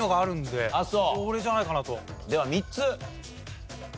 では３つ。